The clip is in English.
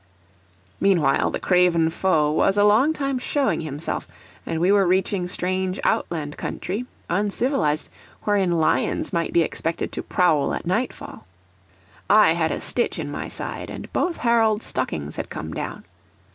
Meanwhile, the craven foe was a long time showing himself; and we were reaching strange outland country, uncivilised, wherein lions might be expected to prowl at nightfall. I had a stitch in my side, and both Harold's stockings had come down.